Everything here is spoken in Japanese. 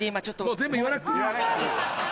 もう全部言わなくていい！